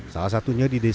salah satunya di jawa timur